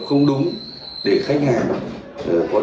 không đúng để khách hàng có thể là sập bậy